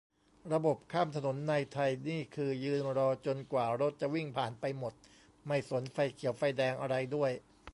ระบบข้ามถนนในไทยนี่คือ ยืนรอจนกว่ารถจะวิ่งผ่านไปหมด ไม่สนไฟเขียวไฟแดงอะไรด้วย